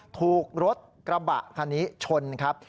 ถูกรถกระบะคันนี้ชนครับ